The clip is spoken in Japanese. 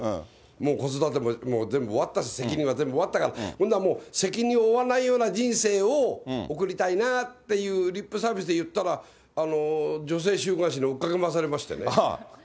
もう子育ても全部終わったし、責任は全部終わったから、そうしたらもう、責任を負わないような人生を送りたいなっていうリップサービスで言ったら、女性週刊誌に追っかけ回されましてね。